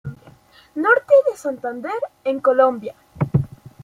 Norte de Santander en Colombia.